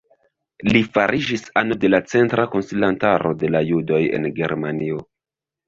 Li fariĝis ano de la Centra Koncilantaro de la Judoj en Germanio.